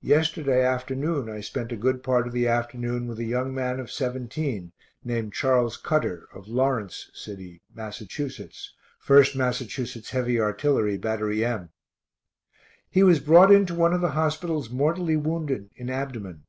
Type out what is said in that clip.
Yesterday afternoon I spent a good part of the afternoon with a young man of 17, named Charles Cutter, of Lawrence city, Mass., 1st Mass. heavy artillery, battery M. He was brought in to one of the hospitals mortally wounded in abdomen.